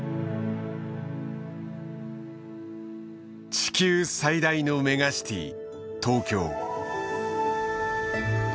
地球最大のメガシティ東京。